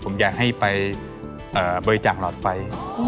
ผมอยากให้ไปบริจาคหลอดไฟ